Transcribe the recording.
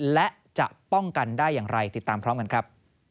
และจะป้องกันได้อย่างไรติดตามพร้อมกันครับ